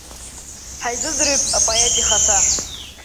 Ҳаизыӡырҩып апоет ихаҭа…